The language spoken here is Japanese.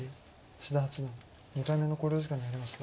志田八段２回目の考慮時間に入りました。